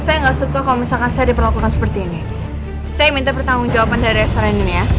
saya nggak suka kalau misalkan saya diperlakukan seperti ini saya minta pertanggung jawaban dari restoran dunia